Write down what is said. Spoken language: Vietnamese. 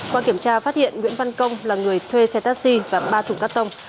qua kiểm tra phát hiện nguyễn văn công là người thuê xe taxi và ba thủng carton